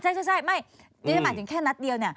ไม่ใช่นะ